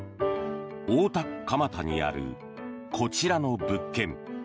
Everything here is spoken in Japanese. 大田区蒲田にあるこちらの物件。